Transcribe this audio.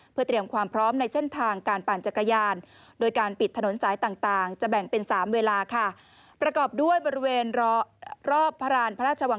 เพื่อเตรียมความพร้อมในเส้นทางการปั่นจักรยาน